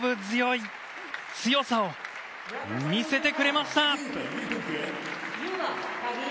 強さを見せてくれました。